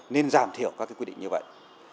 nên giảm thiểu các quy định như vậy